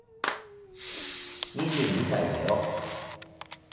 ２２歳だよ。